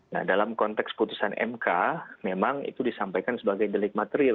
nah dalam konteks putusan mk memang itu disampaikan sebagai delik material